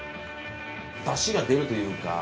ダシが出るというか。